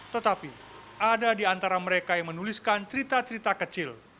tetapi ada di antara mereka yang menuliskan cerita cerita kecil